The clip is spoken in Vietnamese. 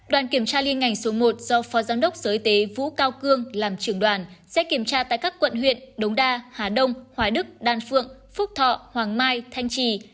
đoàn kiểm tra liên ngành số một do phó giám đốc sở y tế vũ cao cương làm trưởng đoàn sẽ kiểm tra tại các quận huyện đống đa hà đông hoài đức đan phượng phúc thọ hoàng mai thanh trì